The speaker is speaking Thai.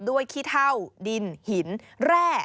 ขี้เท่าดินหินแร่